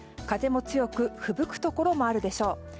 風も強くふぶくところもあるでしょう。